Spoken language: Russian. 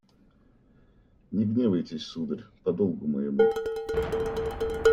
Не гневайтесь, сударь: по долгу моему